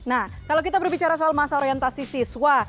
nah kalau kita berbicara soal masa orientasi siswa